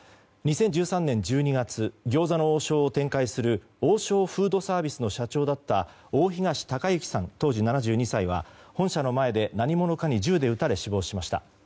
２０１３年１２月餃子の王将を展開する王将フードサービスの社長だった大東隆行さん、当時７２歳は本社の前で何者かに銃で撃たれ死亡しました。